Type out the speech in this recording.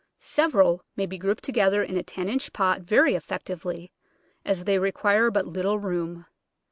Several may be grouped together in a ten inch pot very effectively, as they require but little room.